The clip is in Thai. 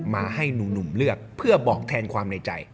มาให้หนุ่มเลือกเพื่อบอกแทนความในใจ